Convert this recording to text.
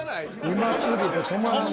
うますぎて止まらんねん。